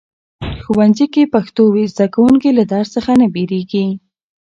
ښوونځي کې پښتو وي، زده کوونکي له درس څخه نه بیریږي.